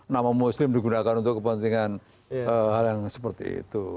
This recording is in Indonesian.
nama muslim digunakan untuk kepentingan hal yang seperti itu